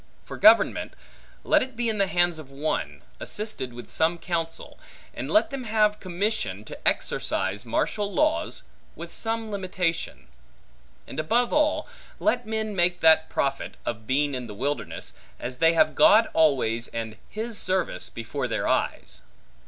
For government; let it be in the hands of one, assisted with some counsel; and let them have commission to exercise martial laws, with some limitation. And above all, let men make that profit, of being in the wilderness, as they have God always, and his service, before their eyes.